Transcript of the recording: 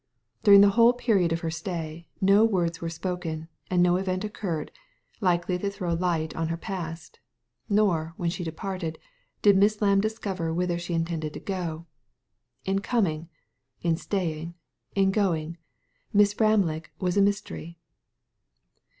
During the whole period of her stay, no words were spoken, and no event occurred, likely to throw light on her past ; nor, when she departed, did Miss Lamb discover whither she intended to go. In coming, in staying, in going, Miss Ramlig was a mystery.